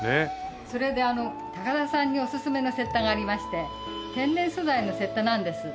それで高田さんにおすすめの雪駄がありまして天然素材の雪駄なんです。